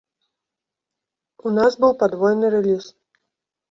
У нас быў падвойны рэліз.